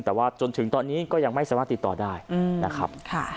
แต่ว่าจนถึงตอนนี้ก็ยังไม่สามารถติดต่อได้นะครับ